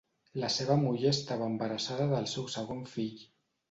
La seva muller estava embarassada del seu segon fill.